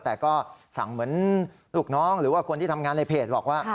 แต่ก็สั่งเหมือนลูกน้องหรือว่าคนที่ทำงานในเพจบอกว่า